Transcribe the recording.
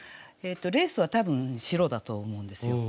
レースは多分白だと思うんですよ。